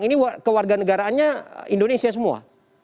ini kewarganegaraannya indonesia semua